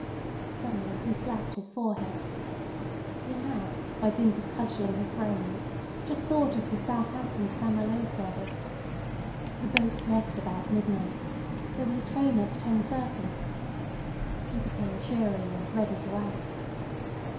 Suddenly he slapped his forehead. He had by dint of cudgelling his brains just thought of the Southampton—St Malo service. The boat left about midnight. There was a train at 10.30. He became cheery and ready to act.